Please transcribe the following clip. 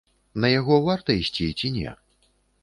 На яго варта ісці ці не?